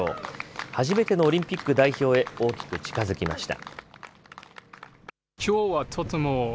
初めてのオリンピック代表へ大きく近づきました。